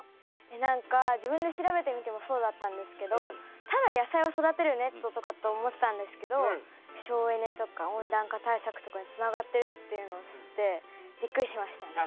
何か自分で調べてみてもそうだったんですけどただ野菜を育てるネットとかって思ってたんですけど省エネとか温暖化対策とかにつながってるっていうのを知ってびっくりしましたね。